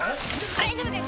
大丈夫です